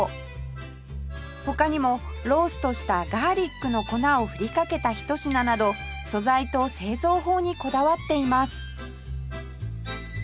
他にもローストしたガーリックの粉をふりかけたひと品など素材と製造法にこだわっています